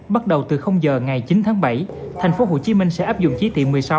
bắt đầu từ giờ ngày chín tháng bảy tp hcm sẽ áp dụng chỉ thị một mươi sáu